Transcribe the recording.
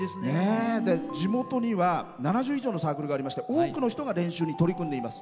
地元には７０以上のサークルがありまして多くの人が練習に取り組んでいます。